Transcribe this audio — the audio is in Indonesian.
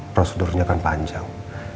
prosedurnya kan panjang